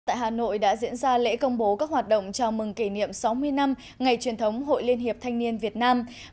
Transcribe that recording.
tại hà nội đã diễn ra lễ công bố các hoạt động chào mừng kỷ niệm sáu mươi năm ngày truyền thống hội liên hiệp thanh niên việt nam